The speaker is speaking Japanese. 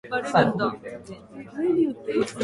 ボイスコレクションが拒否されている理由がわからない。